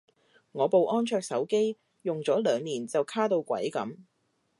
我部安卓手機用咗兩年就卡到鬼噉